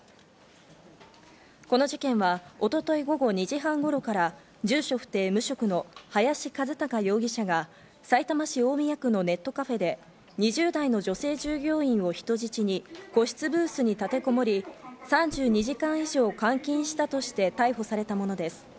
この事件は一昨日、午後２時半頃から住所不定・無職の林一貴容疑者がさいたま市大宮区のネットカフェで２０代の女性従業員を人質に個室ブースに立てこもり、３２時間以上監禁したとして逮捕されたものです。